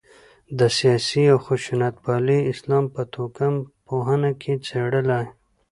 د سیاسي او خشونتپالي اسلام په توکم پوهنه کې څېړلای.